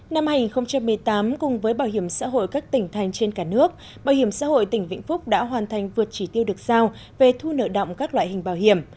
năm hai nghìn một mươi tám cùng với bảo hiểm xã hội các tỉnh thành trên cả nước bảo hiểm xã hội tỉnh vĩnh phúc đã hoàn thành vượt chỉ tiêu được giao về thu nợ động các loại hình bảo hiểm